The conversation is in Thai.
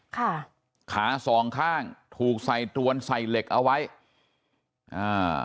ขาสองข้างถูกใส่ตรวนใส่เหล็กเอาไว้อ่า